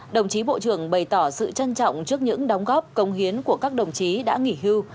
đồng chí bộ trưởng bày tỏ sự trân trọng trước những đóng góp công hiến của các đồng chí đã nghỉ hưu